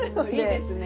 いいですね。